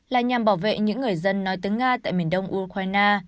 là nhằm bảo vệ những người dân nói tiếng nga tại miền đông ukraine